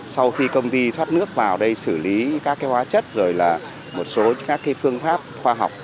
sau khi công ty thoát nước vào đây xử lý các hóa chất rồi là một số các phương pháp khoa học